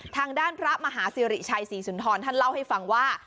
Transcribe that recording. ทางด้านพระมหาสิริชัยศรีสุนทรท่านเล่าให้ฟังว่า